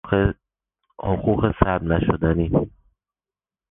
حقوق سلب نشدنی